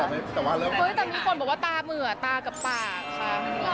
แต่มีคนบอกว่าตาเหมือตากับปากค่ะ